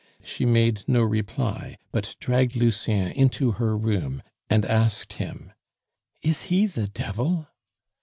She made no reply, but dragged Lucien into her room, and asked him: "Is he the devil?"